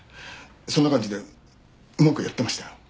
そんな感じでうまくやってましたよ。